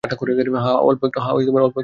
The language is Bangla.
হাঁ, অল্প একটু।